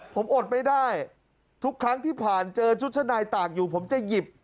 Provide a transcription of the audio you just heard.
ผมอดไม่ได้ทุกครั้งที่ผ่านเจอชุดชั้นในตากอยู่ผมจะหยิบ